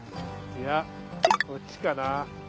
いやっこっちかな。